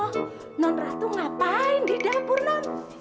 oh nona ratu ngapain di dapur nona